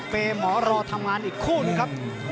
หมอรอทำงานอีกคู่หนึ่งครับ